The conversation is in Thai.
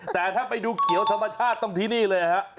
แต่ถ้าไปดูเขียวธรรมชาติต้องที่นี่เลยฮะ